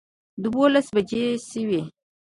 دولس بجې شوې.